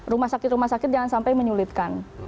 rumah sakit rumah sakit jangan sampai menyulitkan